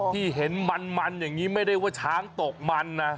ที่เห็นมันอย่างนี้ไม่ได้ว่าช้างตกมันนะ